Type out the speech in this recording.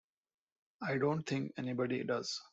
I don't think anybody does.